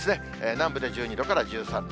南部で１２度から１３度。